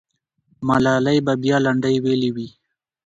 ملالۍ به بیا لنډۍ ویلي وي.